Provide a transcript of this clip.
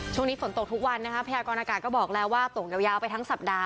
ช่วงนี้ฝนตกทุกวันนะคะพยากรณากาศก็บอกแล้วว่าตกยาวไปทั้งสัปดาห